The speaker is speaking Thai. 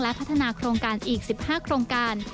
และพัฒนาโครงการอีก๑๕โครงการ